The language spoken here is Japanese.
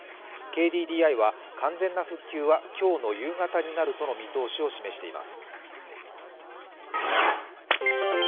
ＫＤＤＩは完全な復旧は今日の夕方になるとの見通しを示しています。